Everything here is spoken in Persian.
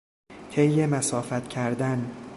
طی مسافت کردن